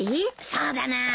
そうだなあ